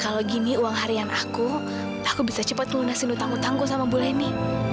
kalau gini uang harian aku aku bisa cepet ngelunasin utang utangku sama bu lenny